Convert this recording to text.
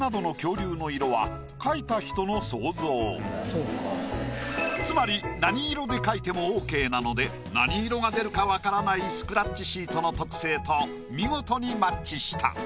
実はつまり何色で描いてもオーケーなので何色が出るかわからないスクラッチシートの特性と見事にマッチした。